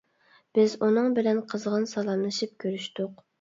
بىز ئۇنىڭ بىلەن قىزغىن سالاملىشىپ كۆرۈشتۇق.